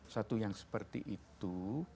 suatu yang seperti itu